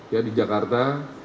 ya di jakarta